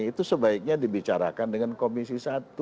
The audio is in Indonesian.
itu sebaiknya dibicarakan dengan komisi satu